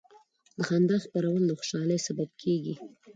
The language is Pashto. د خندا خپرول د خوشحالۍ سبب کېږي.